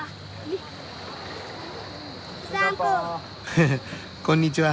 ハハッこんにちは。